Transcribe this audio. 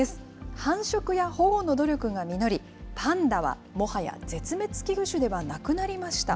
繁殖や保護の努力が実り、パンダはもはや絶滅危惧種ではなくなりました。